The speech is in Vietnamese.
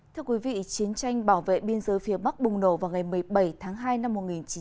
thưa quý vị chiến tranh bảo vệ biên giới phía bắc bùng nổ vào ngày một mươi bảy tháng hai năm một nghìn chín trăm bảy mươi năm